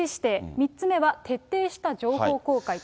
３つ目は徹底した情報公開と。